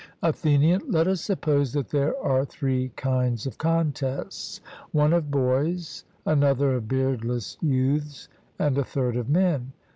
ATHENIAN: Let us suppose that there are three kinds of contests one of boys, another of beardless youths, and a third of men.